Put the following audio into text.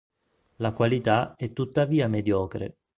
La qualità è tuttavia mediocre.